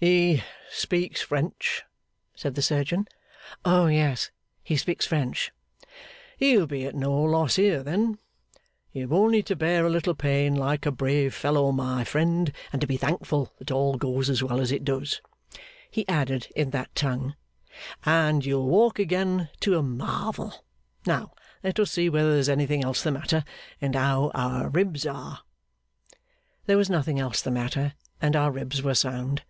'He speaks French?' said the surgeon. 'Oh yes, he speaks French.' 'He'll be at no loss here, then. You have only to bear a little pain like a brave fellow, my friend, and to be thankful that all goes as well as it does,' he added, in that tongue, 'and you'll walk again to a marvel. Now, let us see whether there's anything else the matter, and how our ribs are?' There was nothing else the matter, and our ribs were sound.